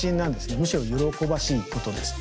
むしろ喜ばしいことです。